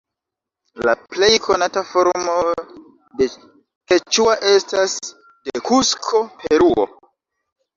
La plej konata formo de keĉua estas de Kusko, Peruo.